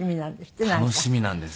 楽しみなんです。